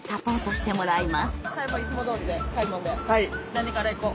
何からいこう？